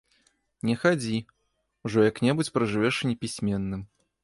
Не хадзі, ужо як-небудзь пражывеш і непісьменным.